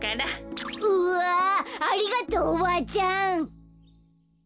うわありがとうおばあちゃん。